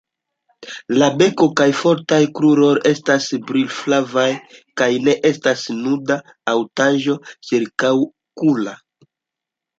La beko kaj fortaj kruroj estas brilflavaj, kaj ne estas nuda haŭtaĵo ĉirkaŭokula.